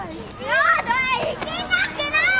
やだ行きたくない！